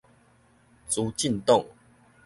資進黨